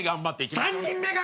３人目が！